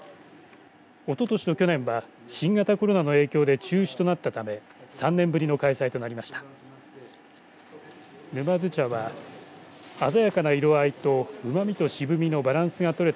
おととしと去年は新型コロナの影響で中止となったため３年ぶりの開催となりました。